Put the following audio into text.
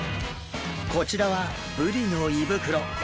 こちらはブリの胃袋！